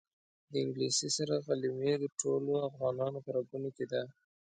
د انګلیس سره غلیمي د ټولو افغانانو په رګونو کې ده.